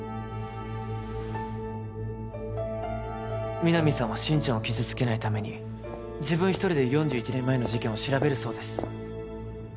皆実さんは心ちゃんを傷つけないために自分一人で４１年前の事件を調べるそうです